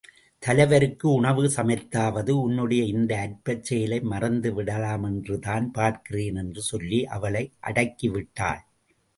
தலைவருக்கு, உணவு சமைத்தாவது, உன்னுடைய இந்த அற்பச் செயலை மறந்துவிடலாமென்றுதான் பார்க்கிறேன் என்று சொல்லி அவளை அடக்கிவிட்டாள்.